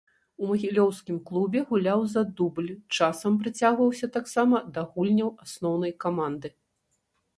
У магілёўскім клубе гуляў за дубль, часам прыцягваўся таксама да гульняў асноўнай каманды.